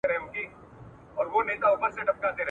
مړې که دا ډېوې کړو میخانې که خلوتون کړو ..